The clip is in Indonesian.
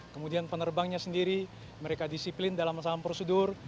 kemudian penerbangnya sendiri mereka disiplin dalam masalah prosedur